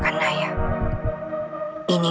tolong aku seperti ini